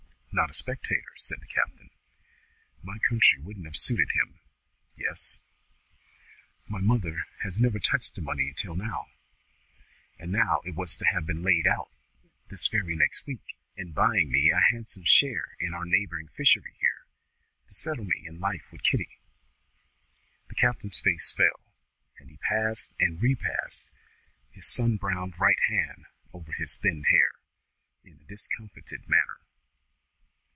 "Not a spectator," said the captain. "My country wouldn't have suited him. Yes?" "My mother has never touched the money till now. And now it was to have been laid out, this very next week, in buying me a handsome share in our neighbouring fishery here, to settle me in life with Kitty." The captain's face fell, and he passed and repassed his sun browned right hand over his thin hair, in a discomfited manner.